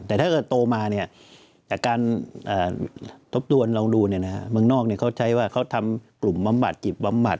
แต่ถ้าเกิดโตมาจากการทบทวนลองดูเมืองนอกเขาใช้ว่าเขาทำกลุ่มบำบัดหยิบบำบัด